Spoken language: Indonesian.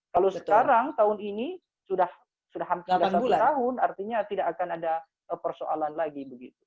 kalau sekarang tahun ini sudah hampir sudah satu tahun artinya tidak akan ada persoalan lagi begitu